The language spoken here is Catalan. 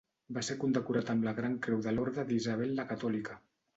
Va ser condecorat amb la gran creu de l'Orde d'Isabel la Catòlica.